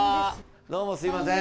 どうもすいません。